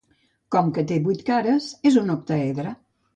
Com que te vuit cares, és un octaedre.